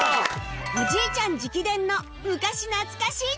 おじいちゃん直伝の昔懐かしい炒飯